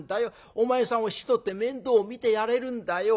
お前さんを引き取って面倒を見てやれるんだよ。